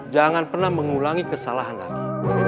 jangan pernah mengulangi kesalahan lagi